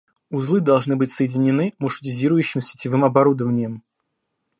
Узлы должны быть соединены маршрутизирующим сетевым оборудованием